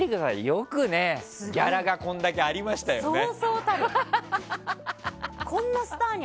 よくギャラがこれだけありましたよね。